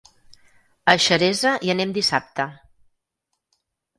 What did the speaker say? A Xeresa hi anem dissabte.